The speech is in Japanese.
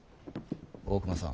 大隈さん